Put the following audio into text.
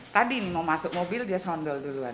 tadi mau masuk mobil dia serondol duluan